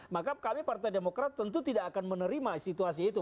maka kami partai demokrat tentu tidak akan menerima situasi itu